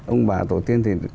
ông bà tổ tiên